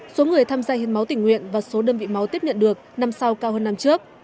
số người tham gia hiến máu tỉnh nguyện và số đơn vị máu tiếp nhận được năm sau cao hơn năm trước